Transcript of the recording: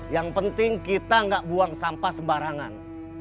yang penting kita gak buang sampah sebarangan